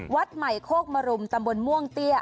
วัดใหม่โคกมรุมตำบลม่วงเตี้ย